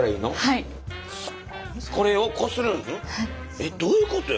えっどういうことよ？